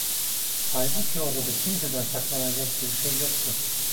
Halbuki ortada kimseden saklanacak bir şey yoktu.